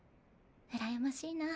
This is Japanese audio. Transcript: うらやましいな。